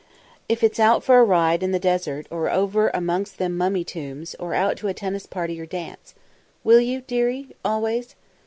If it's out for a ride in the desert or over amongst them mummy tombs, or out to a tennis party or dance. Will you, dearie? Always?"